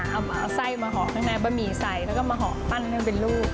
เอาไส้มาห่อข้างในบะหมี่ใส่แล้วก็มาห่อปั้นให้มันเป็นลูก